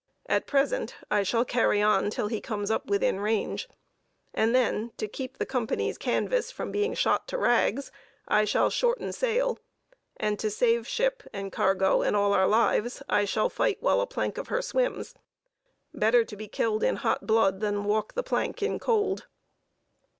At present I shall carry on till he comes up within range: and then, to keep the Company's canvas from being shot to rags, I shall shorten sail; and to save ship and cargo and all our lives, I shall fight while a plank of her swims. Better to be killed in hot blood than walk the plank in cold."